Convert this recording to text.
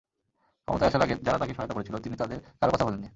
ক্ষমতায় আসার আগে যারা তাঁকে সহায়তা করেছিল, তিনি তাদের কারও কথা ভোলেননি।